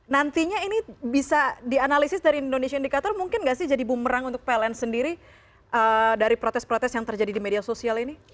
nantinya ini bisa dianalisis dari indonesia indikator mungkin gak sih jadi bumerang untuk pln sendiri dari protes protes yang terjadi di media sosial ini